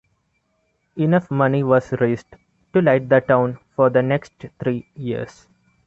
Enough money was raised to light the town for the next three years.